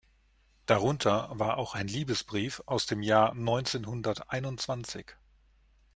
Darunter war auch ein Liebesbrief aus dem Jahr neunzehnhunderteinundzwanzig.